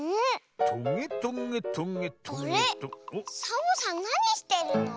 サボさんなにしてるの？